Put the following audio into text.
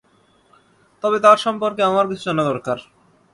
তবে তার সম্পর্কে আমার কিছু জানা দরকার।